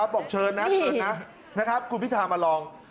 บอกเชิญนะคุณพิธามาลอง